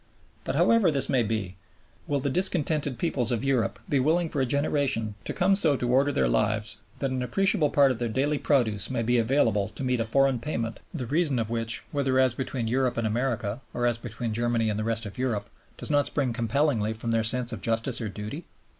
But however this may be, will the discontented peoples of Europe be willing for a generation to come so to order their lives that an appreciable part of their daily produce may be available to meet a foreign payment, the reason of which, whether as between Europe and America, or as between Germany and the rest of Europe, does not spring compellingly from their sense of justice or duty?